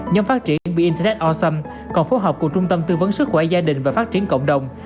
nhóm phát triển b internet osom còn phối hợp cùng trung tâm tư vấn sức khỏe gia đình và phát triển cộng đồng